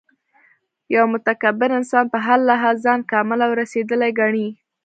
یو متکبر انسان په هر لحاظ ځان کامل او رسېدلی ګڼي